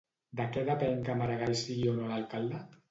De què depèn que Maragall sigui o no l'alcalde?